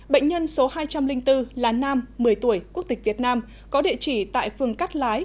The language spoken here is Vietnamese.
bệnh nhân số hai trăm linh bốn là nam một mươi tuổi quốc tịch việt nam có địa chỉ tại phường cát lái